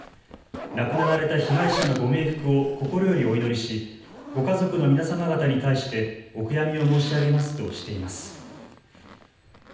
亡くなられた被害者のご冥福を心よりお祈りしご家族の皆様方に対してお悔やみを申し上げますとしています。